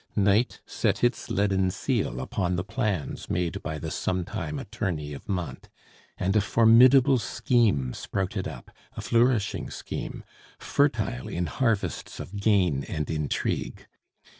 Night set its leaden seal upon the plans made by the sometime attorney of Mantes, and a formidable scheme sprouted up, a flourishing scheme, fertile in harvests of gain and intrigue.